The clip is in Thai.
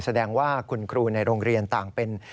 แสดงว่าคุณครูในโรงเรียนต่างเป็น